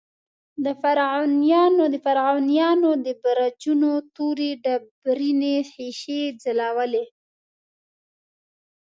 د فرعونیانو د برجونو تورې ډبرینې ښیښې ځلولې.